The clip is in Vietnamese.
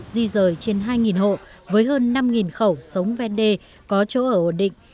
di rời trên hai hộ với hơn năm khẩu sống ven đê có chỗ ở ổn định